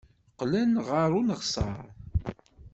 Qqlen ɣer uneɣsar.